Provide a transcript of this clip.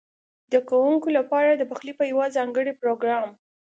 ده کوونکو لپاره د پخلي په یوه ځانګړي پروګرام